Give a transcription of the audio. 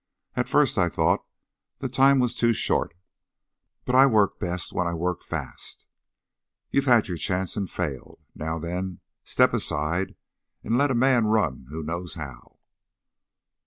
At first I thought the time was too short, but I work best when I work fast. You've had your chance and failed. Now then, step aside and let a man run who knows how."